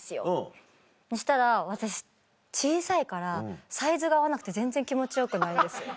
そしたら私小さいからサイズが合わなくて全然気持ちよくないんです。